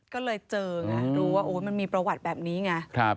ก็เลยเจอไงรู้ว่ามันมีประวัติแบบนี้ไง